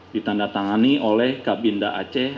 ditandatangani oleh kabinda aceh